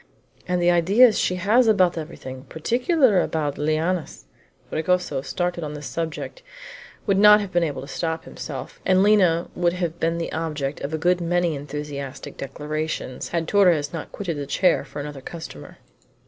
And the ideas she has about everything, particularly about lianas " Fragoso, started on this subject, would not have been able to stop himself, and Lina would have been the object of a good many enthusiastic declarations, had Torres not quitted the chair for another customer.